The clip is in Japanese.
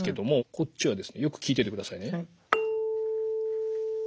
こっちはですねよく聴いててくださいね。